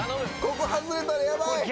ここはずれたらやばい！